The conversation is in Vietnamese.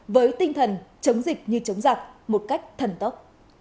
với tinh thần chống dịch như chống giặc một cách thần tốc